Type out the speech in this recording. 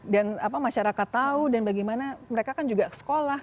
dan apa masyarakat tahu dan bagaimana mereka kan juga sekolah